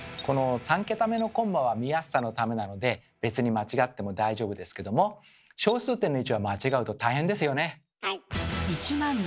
３桁目のコンマは見やすさのためなので別に間違っても大丈夫ですけども小数点の位置は間違うと大変ですよね。